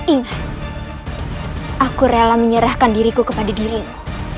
ing aku rela menyerahkan diriku kepada dirimu